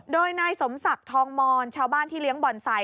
โดยนายสมศักดิ์ทองมอนชาวบ้านที่เลี้ยงบ่อนไซค